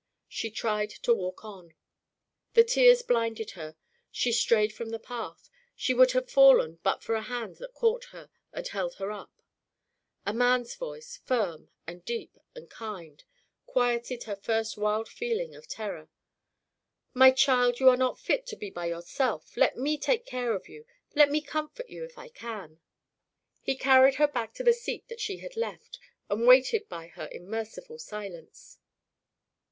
She tried to walk on. The tears blinded her she strayed from the path she would have fallen but for a hand that caught her, and held her up. A man's voice, firm and deep and kind, quieted her first wild feeling of terror. "My child, you are not fit to be by yourself. Let me take care of you let me comfort you, if I can." He carried her back to the seat that she had left, and waited by her in merciful silence.